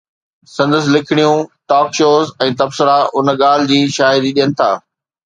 سندس لکڻيون، talk shows ۽ تبصرا ان ڳالهه جي شاهدي ڏين ٿا.